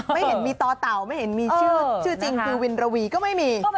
ไม่เห็นมีต่อเต่าไม่เห็นมีชื่อจริงคือวินระวีก็ไม่มี